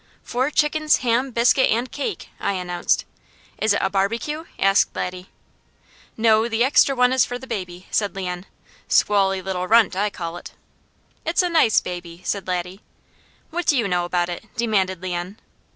"Four chickens, ham, biscuit, and cake!" I announced. "Is it a barbecue?" asked Laddie. "No, the extra one is for the baby," said Leon. "Squally little runt, I call it." "It's a nice baby!" said Laddie. "What do you know about it?" demanded Leon.